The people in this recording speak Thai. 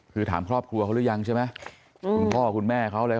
คือถามครอบครัวเขาหรือยังใช่ไหมคุณพ่อคุณแม่เขาอะไร